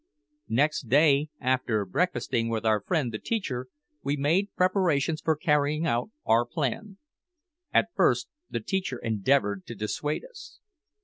Next day, after breakfasting with our friend the teacher, we made preparations for carrying out our plan. At first the teacher endeavoured to dissuade us.